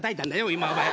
今お前。